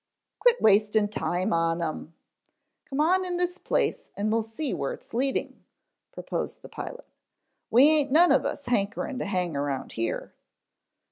"Quit wastin' time on them. Come on in this place en we'll see where it's leading," proposed the pilot. "We aint none of us hankerin' to hang around here."